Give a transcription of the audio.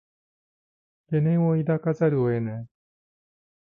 懸念を抱かざるを得ない